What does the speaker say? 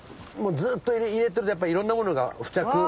ずっと入れてるといろんなものが付着。